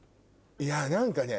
いや何かね。